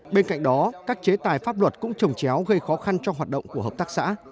bên cạnh đó các chế tài pháp luật cũng trồng chéo gây khó khăn cho hoạt động của hợp tác xã